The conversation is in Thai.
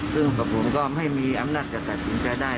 ซึ่งประพุทธก็ไม่มีอำนาจจะได้เจ็บสินใจ